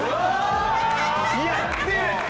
やってる！